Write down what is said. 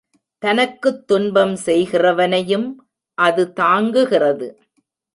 தனக்குத் துன்பம் செய்கிறவனையும் அது தாங்குகிறது.